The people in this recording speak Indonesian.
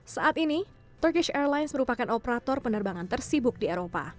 saat ini turkish airlines merupakan operator penerbangan tersibuk di eropa